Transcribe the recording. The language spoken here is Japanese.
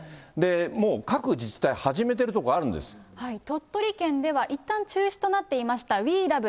もう各自治体、鳥取県では、いったん中止となっていました、ＷｅＬｏｖｅ